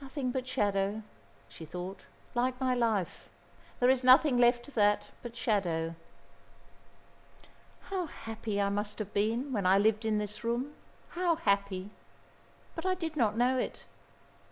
"Nothing but shadow," she thought, "like my life. There is nothing left of that but shadow." "How happy I must have been, when I lived in this room, how happy! But I did not know it.